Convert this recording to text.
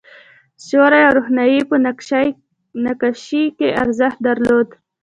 سیوری او روښنايي په نقاشۍ کې ارزښت درلود.